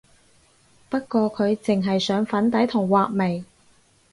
不過佢淨係上粉底同畫眉